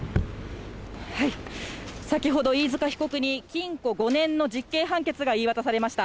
先ほど、飯塚被告に禁錮５年の実刑判決が言い渡されました。